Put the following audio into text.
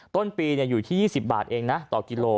ต้นปีอยู่ที่๒๐บาทเองนะต่อกิโล